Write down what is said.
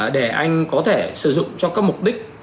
để anh có thể sử dụng cho các mục đích